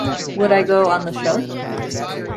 Would I go on the show?